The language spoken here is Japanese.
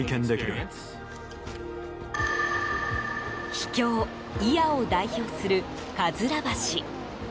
秘境・祖谷を代表するかずら橋。